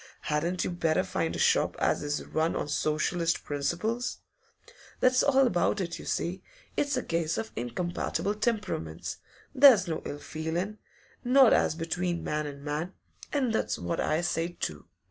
Hadn't you better find a shop as is run on Socialist principles?" That's all about it, you see; it's a case of incompatible temperaments; there's no ill feelin', not as between man and man, And that's what I say, too.